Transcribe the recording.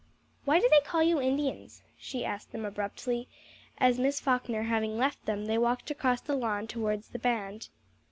"Why do they call you Indians?" she asked them abruptly, as Miss Falkner having left them they walked across the lawn towards the band.